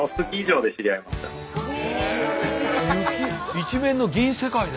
一面の銀世界で。